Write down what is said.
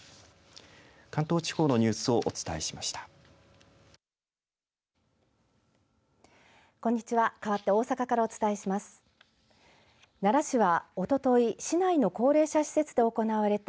関東地方のニュースをお伝えしました。